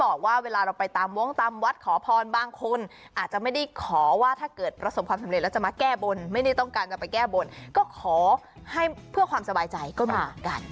บอกว่าเวลาเราไปตามวงตามวัดขอพรบางคนอาจจะไม่ได้ขอว่าถ้าเกิดประสบความสำเร็จแล้วจะมาแก้บนไม่ได้ต้องการจะไปแก้บนก็ขอให้เพื่อความสบายใจก็มีเหมือนกัน